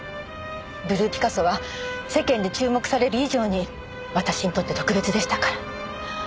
ブルーピカソは世間で注目される以上に私にとって特別でしたから。